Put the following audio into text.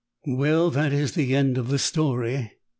Well, that is the end of the story.